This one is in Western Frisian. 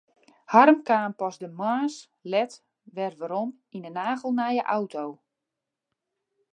Harm kaam pas de moarns let wer werom yn in nagelnije auto.